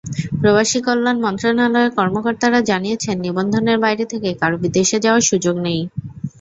প্রবাসীকল্যাণ মন্ত্রণালয়ের কর্মকর্তারা জানিয়েছেন, নিবন্ধনের বাইরে থেকে কারও বিদেশে যাওয়ার সুযোগ নেই।